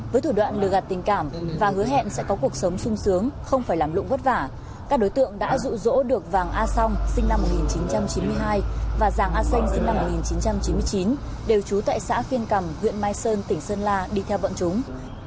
với thủ đoạn lừa gạt tình cảm và hứa hẹn sẽ có cuộc sống sung sướng không phải làm lụng vất vả các đối tượng đã rụ rỗ được vàng a song sinh năm một nghìn chín trăm chín mươi hai và giàng a xanh sinh năm một nghìn chín trăm chín mươi chín đều trú tại xã phiên cầm huyện mai sơn tỉnh sơn la đi theo bọn chúng